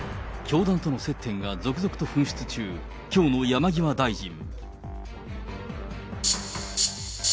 教団との接点が続々と噴出中、きょうの山際大臣。